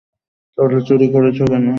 তাহলে চুরি করেছো কেন?